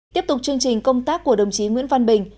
tiếp tục chương trình công tác của đồng chí nguyễn văn bình